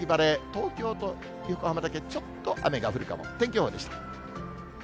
東京と横浜だけちょっと雨が降るかも、天気予報でした。